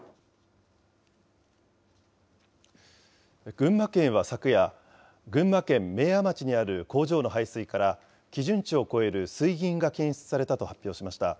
群馬県は昨夜、群馬県明和町にある工場の排水から、基準値を超える水銀が検出されたと発表しました。